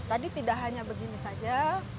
tadi tidak hanya begini saja